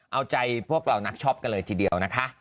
เอาใจพวกเรานักช็อปกันเลยทีเดียวนะคะ